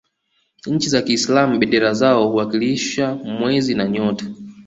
nchi za kiislam bendera zao huwakilisha mwezi na nyota